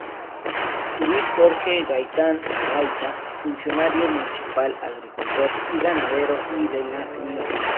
Luis Jorge Gaitán Araiza, Funcionario Municipal, Agricultor y Ganadero, y de la Sra.